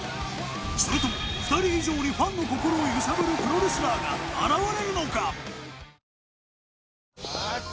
それとも２人以上にファンの心を揺さぶるプロレスラーが現れるのか？